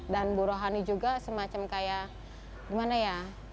dan bu rohani juga semacam kayak gimana ya